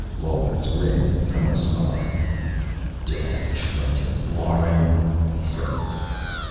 Lawler's grin had become a snarl. "Damn Trenton Lauren!" he said.